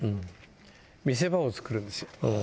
見せ場を作るんですよ